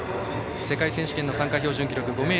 世界選手権の参加標準記録５ｍ８０。